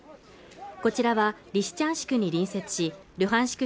こちらはリシチャンシク隣接しルハンシク